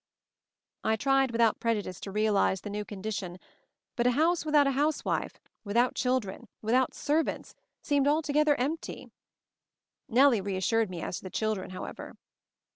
I tried without prejudice to realize the new condition, but a house without a house wife, without children, without servants, seemed altogether empty. Nellie reassured me as to the children, however.